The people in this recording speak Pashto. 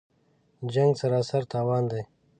جـنګ سراسر تاوان دی